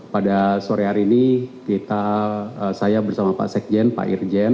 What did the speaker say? pada sore hari ini saya bersama pak sekjen pak irjen